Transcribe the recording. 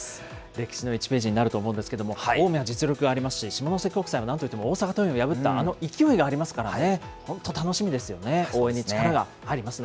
歴史の一ページになると思うんですけれども、近江は実力がありますし、下関国際はなんといってもあの大阪桐蔭を破ったあの勢いがありますからね。